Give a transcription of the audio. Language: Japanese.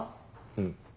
うん。